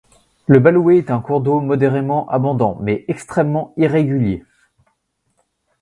Le Baoulé est un cours d'eau modérément abondant mais extrêmement irrégulier.